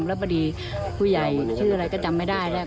แล้วพอดีผู้ใหญ่ชื่ออะไรก็จำไม่ได้แล้ว